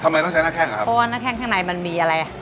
ทำไมต้องใช้หน้าแข้งอะครับเพราะว่าหน้าแข้งข้างในมันมีอะไร